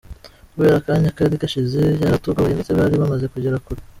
Kubera akanya kari gashize byaratugoye ndetse bari bamaze kugera kure.